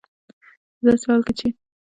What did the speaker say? په داسې حال کې چې